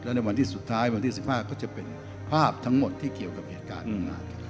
ในวันที่สุดท้ายวันที่๑๕ก็จะเป็นภาพทั้งหมดที่เกี่ยวกับเหตุการณ์นั้น